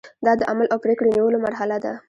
دا د عمل او پریکړې نیولو مرحله ده.